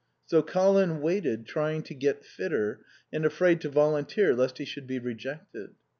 So Colin waited, trying to get fitter, and afraid to volunteer lest he should be rejected.